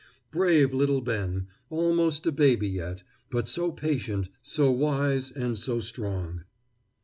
Brave little Ben, almost a baby yet, but so patient, so wise, and so strong!